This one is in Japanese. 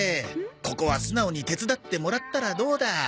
ここは素直に手伝ってもらったらどうだ？